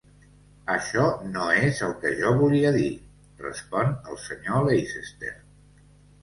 "Això no és el que jo volia dir", respon el senyor Leicester.